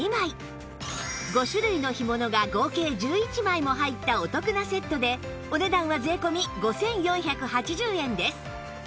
５種類の干物が合計１１枚も入ったお得なセットでお値段は税込５４８０円です